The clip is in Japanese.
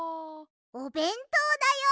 おべんとうだよ！